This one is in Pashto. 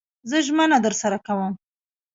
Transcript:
زه ژمنه درسره کوم